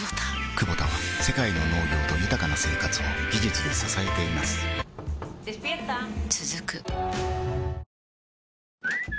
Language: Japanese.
クボタは世界の農業と豊かな生活を技術で支えています起きて。